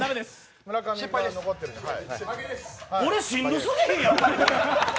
俺、しんどすぎへん？